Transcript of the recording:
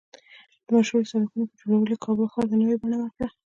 د مشهورو سړکونو په جوړولو یې کابل ښار ته نوې بڼه ورکړه